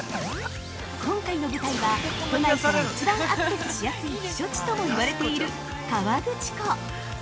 ◆今回の舞台は都内から一番アクセスしやすい避暑地とも言われている河口湖。